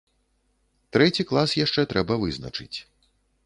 Трэці клас яшчэ трэба вызначыць.